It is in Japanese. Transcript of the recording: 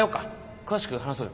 詳しく話そうよ。